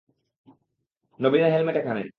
নবীনের হেলমেট এখানে।